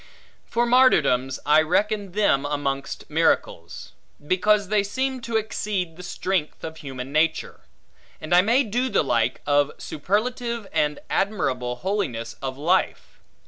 For martyrdoms, I reckon them amongst miracles; because they seem to exceed the strength of human nature: and I may do the like, of superlative and admirable holiness of life.